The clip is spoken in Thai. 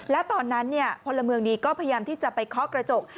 แล้วตอนนั้นพลเมืองดีก็พยายามที่จะไปเคาะกระจก